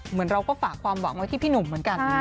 เหมือนเราก็ฝากความหวังไว้ที่พี่หนุ่มเหมือนกัน